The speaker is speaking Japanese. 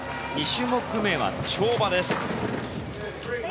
２種目目は跳馬です。